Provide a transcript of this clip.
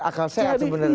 akal sehat sebenarnya